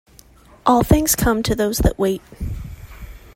All things come to those that wait.